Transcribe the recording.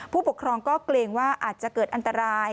ผู้ปกครองก็เกรงว่าอาจจะเกิดอันตราย